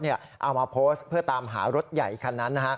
เอามาโพสต์เพื่อตามหารถใหญ่คันนั้น